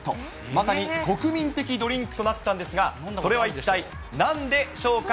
まさに国民的ドリンクとなったんですが、それは一体、なんでしょうか？